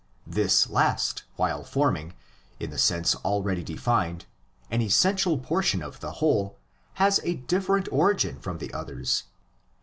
This last, while forming, in the sense already defined, an essential portion of the whole, has a different origin from the others.